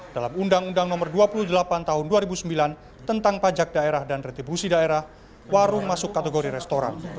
dalam undang undang no dua puluh delapan tahun dua ribu sembilan tentang pajak daerah dan retribusi daerah warung masuk kategori restoran